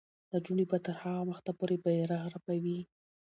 نجونې به تر هغه وخته پورې بیرغ رپوي.